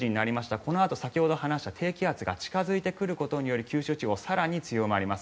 このあと先ほど話した低気圧が近付いてくることにより九州地方、更に強まります。